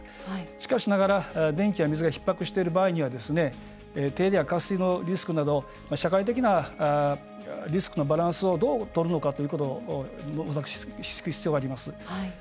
しかしながら電気や水がひっ迫している場合には停電や渇水のリスクなど社会的なリスクのバランスをどうとるか模索する必要があります。